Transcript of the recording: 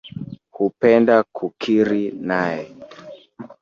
Hupenda kukiri nae.